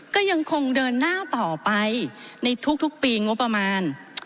ก็ยังคงเดินหน้าต่อไปในทุกปีงบประมาณ